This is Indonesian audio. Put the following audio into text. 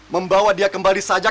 membawa dia kembali saja